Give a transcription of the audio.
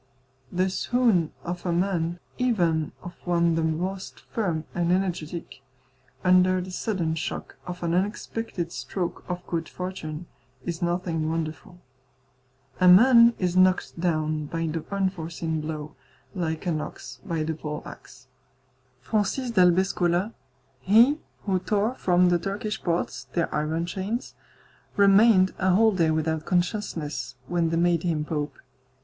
The swoon of a man, even of one the most firm and energetic, under the sudden shock of an unexpected stroke of good fortune, is nothing wonderful. A man is knocked down by the unforeseen blow, like an ox by the poleaxe. Francis d'Albescola, he who tore from the Turkish ports their iron chains, remained a whole day without consciousness when they made him pope.